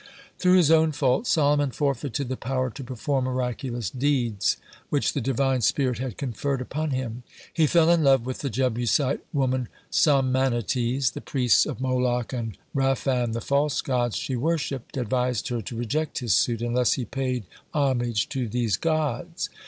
Through his own fault Solomon forfeited the power to perform miraculous deed, which the Divine spirit had conferred upon him. He fell in love with the Jebusite woman Sonmanites. The priests of Moloch and Raphan, the false gods she worshiped, advised her to reject his suit, unless he paid homage to these gods.